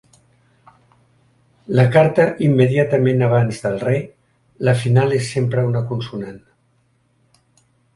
La carta immediatament abans del -re la final és sempre una consonant.